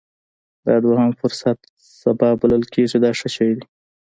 دا دوهم فرصت سبا بلل کېږي دا ښه شی دی.